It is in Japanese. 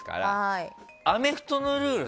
アメフトのルール